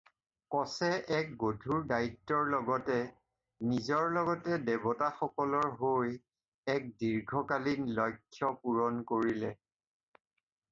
কচে এক গধূৰ দায়িত্বৰ লগতে নিজৰ লগতে দেৱতাসকলৰ হৈ এক দীৰ্ঘকালীন লক্ষ্য পূৰণ কৰিলে।